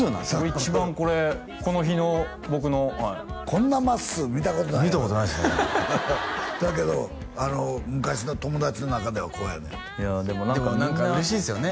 一番これこの日の僕のはいこんなまっすー見たことないやろ見たことないですねだけどあの昔の友達の中ではこうやねんていやっでも何かみんなでも何か嬉しいですよね